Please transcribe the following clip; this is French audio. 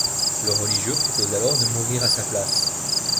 Le religieux propose alors de mourir à sa place.